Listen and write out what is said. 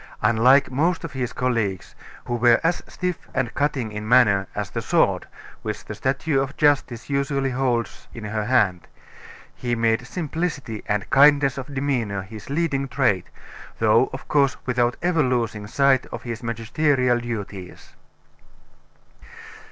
Unlike most of his colleagues, who were as stiff and cutting in manner as the sword which the statue of Justice usually holds in her hand, he made simplicity and kindness of demeanor his leading trait, though, of course, without ever losing sight of his magisterial duties.